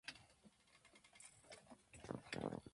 Destacó en especial por su anticlericalismo.